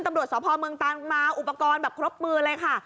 ตำรวจสพเมืองตานมาอุปกรณ์แบบครบมือเลยค่ะ